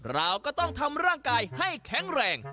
เราก็ต้องทำร่างกายให้แข็งแรง